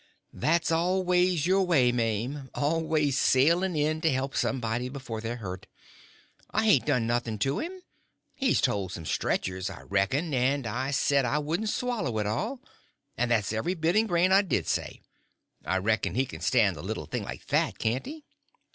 "That's always your way, Maim—always sailing in to help somebody before they're hurt. I hain't done nothing to him. He's told some stretchers, I reckon, and I said I wouldn't swallow it all; and that's every bit and grain I did say. I reckon he can stand a little thing like that, can't he?"